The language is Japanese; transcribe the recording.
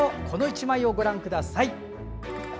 この１枚をご覧ください。